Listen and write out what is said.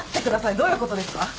どういうことですか？